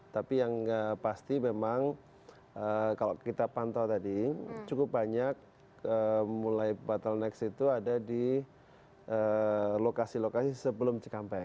tapi yang pasti memang kalau kita pantau tadi cukup banyak mulai bottlenecks itu ada di lokasi lokasi sebelum cikampek